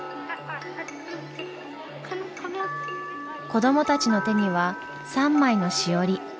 子どもたちの手には３枚のしおり。